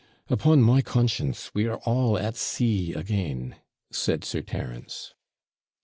'Upon my conscience, we're all at sea again,' said Sir Terence.